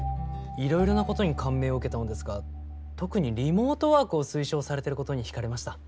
いろいろなことに感銘を受けたのですが特にリモートワークを推奨されてることに惹かれました。